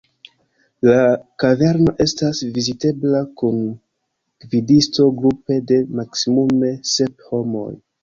La kaverno estas vizitebla kun gvidisto grupe de maksimume sep homoj.